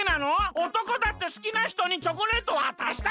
おとこだってすきなひとにチョコレートわたしたいじゃない！